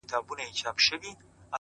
هغه په هره بده پېښه کي بدنام سي ربه’